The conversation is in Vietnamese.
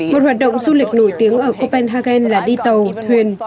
một hoạt động du lịch nổi tiếng ở copenhagen là đi tàu thuyền